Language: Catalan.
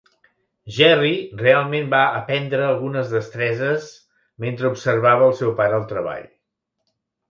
Gerry realment va aprendre algunes destreses mentre observava el seu pare al treball.